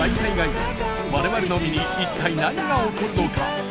時我々の身に一体何が起こるのか！？